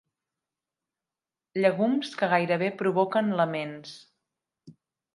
Llegums que gairebé provoquen laments.